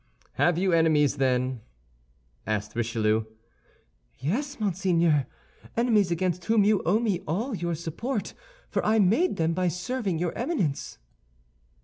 "Have you enemies, then?" asked Richelieu. "Yes, monseigneur, enemies against whom you owe me all your support, for I made them by serving your Eminence."